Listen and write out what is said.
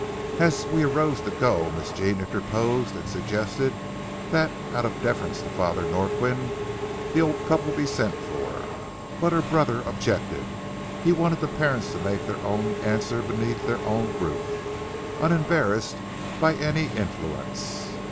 As we arose to go, Miss Jean interposed and suggested that, out of deference to Father Norquin, the old couple be sent for, but her brother objected. He wanted the parents to make their own answer beneath their own roof, unembarrassed by any influence.